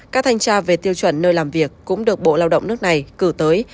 các thanh tra về tiêu chuẩn nơi làm việc cũng được bộ lao động nước này cử tới